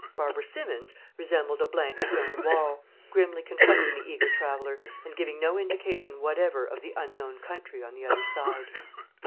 Barbara Simmons resembled a blank stone wall, grimly confronting the eager traveller, and giving no indication whatever of the unknown country on the other side.